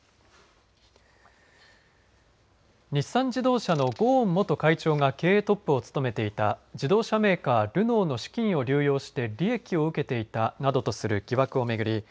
日産自動車のゴーン元会長が経営トップを務めていた自動車メーカー、ルノーの資金を流用して利益を受けていたなどとする疑惑を巡り